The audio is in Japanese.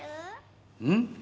うん？